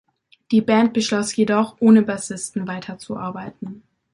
Die Band beschloss jedoch, ohne Bassisten weiterzuarbeiten.